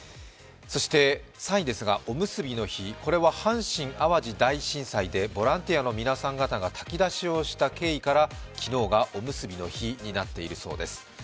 そして３位ですが、おむすびの日、これは阪神・淡路大震災でボランティアの皆さん方が炊き出しをした経緯から昨日がおむすびの日になっているそうです。